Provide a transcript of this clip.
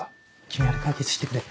君あれ解決してくれ。